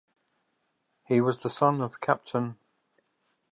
He was the son of Capt.